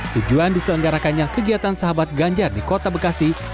tujuan diselenggarakannya kegiatan sahabat ganjar di kota bekasi